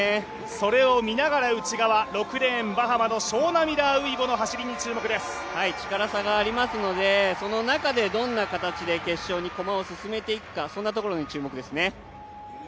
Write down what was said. それを見ながら内側６レーン、バハマのショウナ・ミラー・ウイボ力差がありますので、その中でどんな形で決勝に駒を進めていくか、そんなところに注目です。